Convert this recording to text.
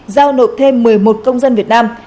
giao nộp thêm một mươi một công dân việt nam